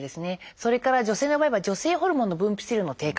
それから女性の場合は女性ホルモンの分泌量の低下。